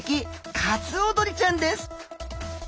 カツオドリちゃんです。